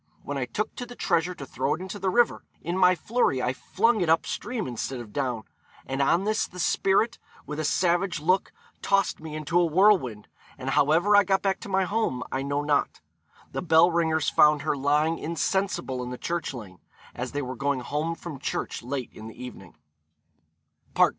When I took the treasure to throw it into the river, in my flurry I flung it up stream instead of down: and on this the spirit, with a savage look, tossed me into a whirlwind, and however I got back to my home I know not.' The bell ringers found her lying insensible in the church lane, as they were going home from church late in the evening.